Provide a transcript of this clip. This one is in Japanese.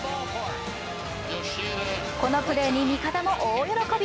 このプレーに味方も大喜び。